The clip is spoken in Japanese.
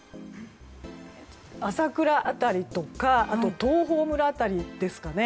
アサクラ辺りとか東峰村辺りですかね。